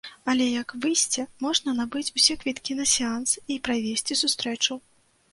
Але як выйсце можна набыць усе квіткі на сеанс і правесці сустрэчу.